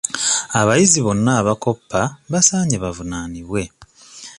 Abayizi bonna abakoppa basaaanye bavunaanibwe.